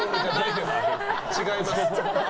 違います。